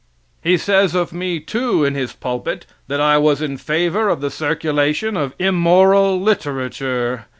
He says of me, too in his pulpit, that I was in favor of the circulation of immoral literature.